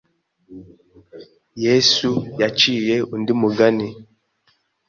Yesu yaciye undi mugani